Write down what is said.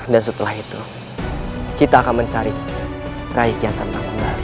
dan setelah itu kita akan mencari rai kian santang kembali